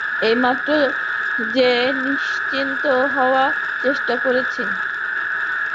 এইমাত্র যে, নিশ্চিন্ত হবার চেষ্টা করছি।